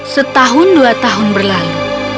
setahun dua tahun berlalu